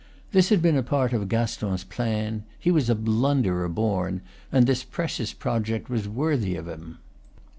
This had been a part of Gaston's plan, he was a blunderer born, and this precious project was worthy of him.